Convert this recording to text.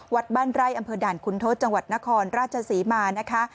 วัดบ้านไร่อำเภอด่านคุณทศจังหวัดนครราชศรีมานะคะ